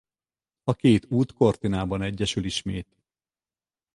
A két út Cortinában egyesül ismét.